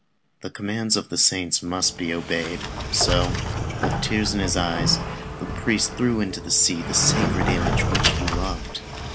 The commands of the saints must be obeyed, so with tears in his eyes, the priest threw into the sea the sacred image which he loved.